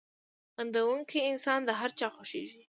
• خندېدونکی انسان د هر چا خوښېږي.